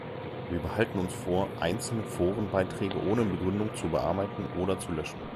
Wir behalten uns vor, einzelne Forenbeiträge ohne Begründung zu bearbeiten oder zu löschen.